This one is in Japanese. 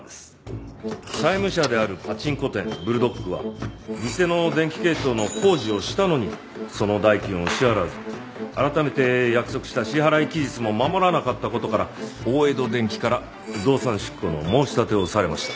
債務者であるパチンコ店ブルドッグは店の電気系統の工事をしたのにその代金を支払わず改めて約束した支払期日も守らなかった事から大江戸電気から動産執行の申し立てをされました。